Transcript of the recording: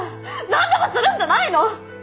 何でもするんじゃないの？